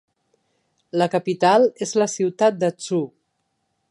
La capital és la ciutat de Tsu.